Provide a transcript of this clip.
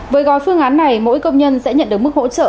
với gói phương án này mỗi công nhân sẽ nhận được mức hỗ trợ